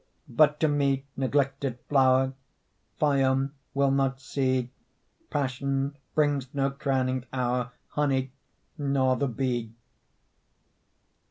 But to me, neglected flower, Phaon will not see, Passion brings no crowning hour, Honey nor the bee.